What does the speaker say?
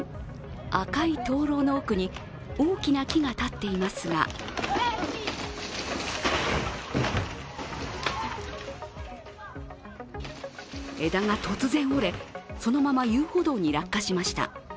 赤い灯籠の奥に大きな木が立っていますが枝が突然折れ、そのまま遊歩道に落下しました。